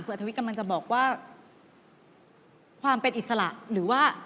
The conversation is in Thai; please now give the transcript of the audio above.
คุณอาทวิทย์กำลังจะบอกว่าความเป็นอิสระหรือว่า